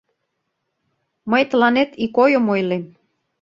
Мый тыланет ик ойым ойлем.